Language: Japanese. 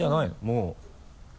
もう。